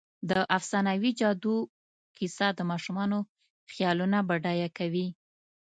د افسانوي جادو کیسه د ماشومانو خیالونه بډایه کوي.